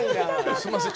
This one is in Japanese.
すいません